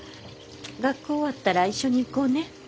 学校終わったら一緒に行こうね。